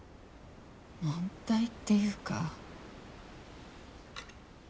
問題っていうか。